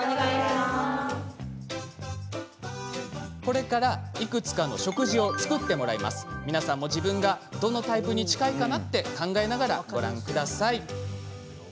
これからいくつか食事を作ってもらいますが皆さんも自分がどのタイプに近いか考えながらご覧ください。